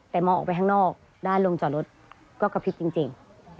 แต่มองออกไปข้างนอกด้านลงจอดรถก็กระพริบจริง